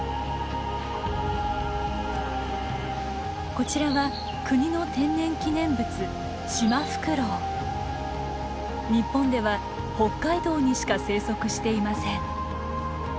こちらは国の天然記念物日本では北海道にしか生息していません。